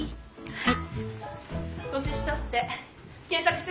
はい。